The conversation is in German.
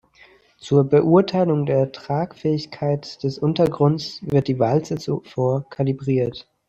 Zur Beurteilung der Tragfähigkeit des Untergrunds wird die Walze zuvor kalibriert.